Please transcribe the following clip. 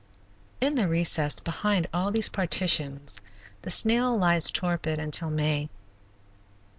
In the recess behind all these partitions the snail lies torpid until May.